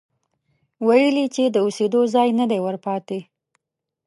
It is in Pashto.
ويل يې چې د اوسېدو ځای نه دی ورپاتې،